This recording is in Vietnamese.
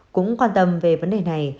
cũng quan tâm về vấn đề này